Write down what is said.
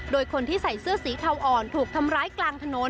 โดยคนที่ใส่เสื้อสีเทาอ่อนถูกทำร้ายกลางถนน